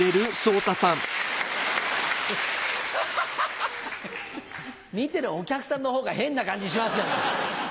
・ハハハ・見てるお客さんの方が変な感じしますよ。